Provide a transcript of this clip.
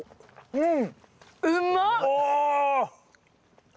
うん。